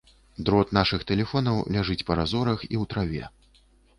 Дрот нашых тэлефонаў ляжыць па разорах і ў траве.